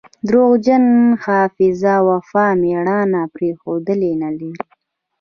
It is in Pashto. دروغجن حافظه وفا ميړانه پښتونولي نلري